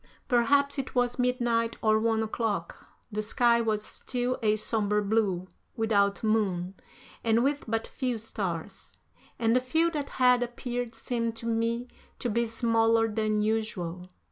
Perhaps it was midnight or one o'clock. The sky was still a somber blue, without moon, and with but few stars, and the few that had appeared seemed to me to be smaller than usual.